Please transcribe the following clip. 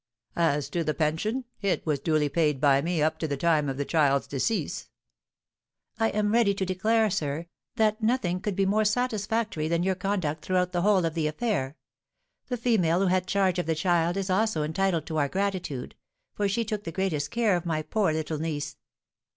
As to the pension, it was duly paid by me up to the time of the child's decease." "I am ready to declare, sir, that nothing could be more satisfactory than your conduct throughout the whole of the affair. The female who had charge of the child is also entitled to our gratitude, for she took the greatest care of my poor little niece."